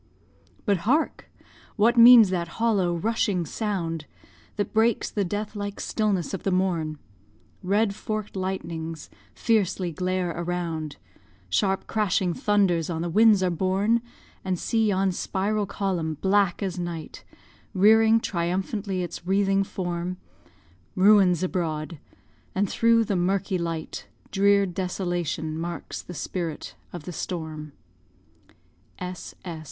But hark! What means that hollow, rushing sound, That breaks the death like stillness of the morn? Red forked lightnings fiercely glare around, Sharp, crashing thunders on the winds are borne, And see yon spiral column, black as night, Rearing triumphantly its wreathing form; Ruin's abroad, and through the murky light Drear desolation marks the spirit of the storm.